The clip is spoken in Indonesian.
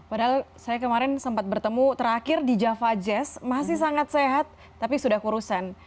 padahal saya kemarin sempat bertemu terakhir di java jazz masih sangat sehat tapi sudah kurusan